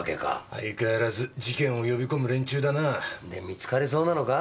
相変わらず事件を呼び込む連中だな。で見つかりそうなのか？